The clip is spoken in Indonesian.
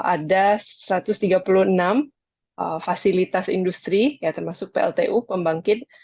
ada satu ratus tiga puluh enam fasilitas industri termasuk pltu pembangkit